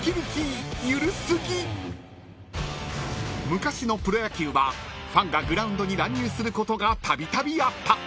［昔のプロ野球はファンがグラウンドに乱入することがたびたびあった］